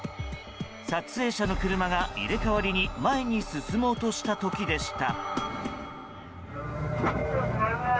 撮影者の車が入れ替わりに前に進もうとした時でした。